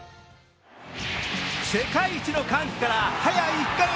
世界一の歓喜から早１か月。